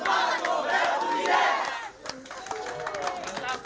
pasti berangkat pasti berangkat